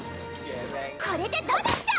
これでどうだっちゃ！